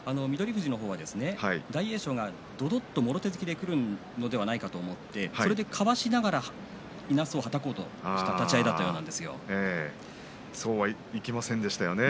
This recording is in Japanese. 富士は大栄翔がどどっともろ手突きでくるのではないかと思ってそれで、かわしながらいなそう、離そうとしたそうはいきませんでしたよね